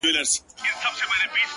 دې لېوني ماحول کي ووايه؛ پر چا مئين يم;